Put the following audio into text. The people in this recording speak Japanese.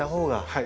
はい。